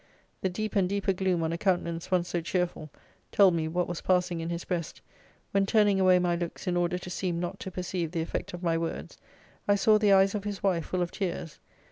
The deep and deeper gloom on a countenance, once so cheerful, told me what was passing in his breast, when turning away my looks in order to seem not to perceive the effect of my words, I saw the eyes of his wife full of tears.